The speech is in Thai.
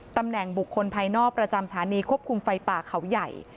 ตำแหน่งบุคคลภายนอกประจำสถานีควบคุมไฟป่าเขาใหญ่